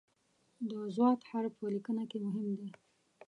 د "ض" حرف په لیکنه کې مهم دی.